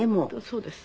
そうです。